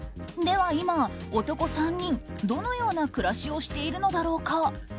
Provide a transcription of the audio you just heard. では今、男３人、どのような暮らしをしているのだろうか。